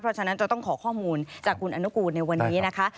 เพราะฉะนั้นจะต้องขอข้อมูลจากคุณอนุกูลในวันนี้นะคะ